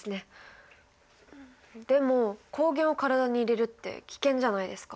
でも抗原を体に入れるって危険じゃないですか？